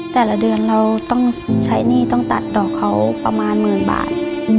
แต่ละเดือนเราต้องใช้หนี้ต้องตัดดอกเขาประมาณหมื่นบาท